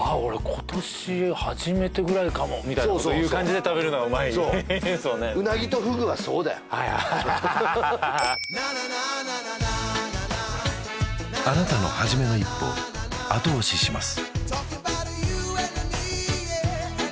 今年初めてくらいかもみたいなこと言う感じでそうそうそう食べるのがうまいそううなぎとフグはそうだよはいハハハハあなたのはじめの一歩後押しします